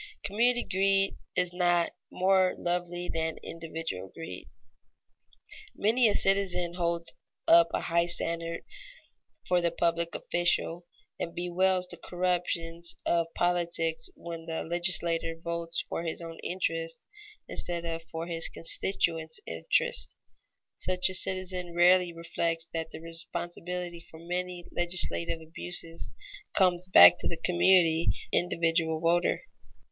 _ Community greed is not more lovely than individual greed. Many a citizen holds up a high standard for the public official and bewails the corruptions of politics when the legislator votes for his own interest instead of for his constituents' interests. Such a citizen rarely reflects that the responsibility for many legislative abuses comes back to the community and to the individual voter.